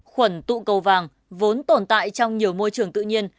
khuẩn tụ cầu vàng vốn tồn tại trong nhiều môi trường tự nhiên